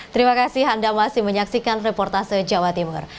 terima kasih anda masih menyaksikan reportase jawa timur